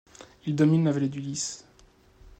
Il domine la vallée du Lis.